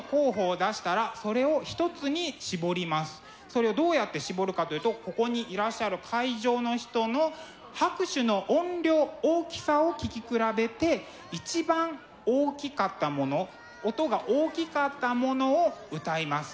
それをどうやって絞るかというとここにいらっしゃる会場の人の拍手の音量大きさを聞き比べて一番大きかったもの音が大きかったものを歌います。